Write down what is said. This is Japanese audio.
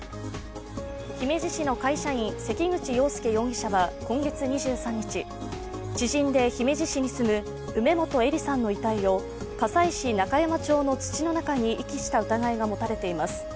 姫路市の会社員関口羊佑容疑者は今月２３日知人で姫路市に住む梅本依里さんの遺体を加西市中山町の土の中に遺棄した疑いが持たれています。